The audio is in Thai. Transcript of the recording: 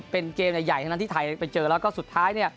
เป็นเกมใหญ่ทั้งนั้นที่ไทยไปเจอแล้วก็สุดท้ายเนี่ย